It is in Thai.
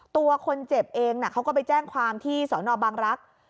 ตัวคนเจ็บเองเขาก็ไปแจ้งความที่สอนอบางรักษ์